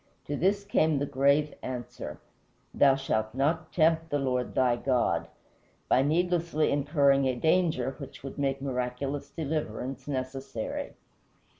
To this came the grave answer, "Thou shalt not tempt the Lord thy God," by needlessly incurring a danger which would make miraculous deliverance necessary.